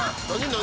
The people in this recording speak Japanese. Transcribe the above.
何？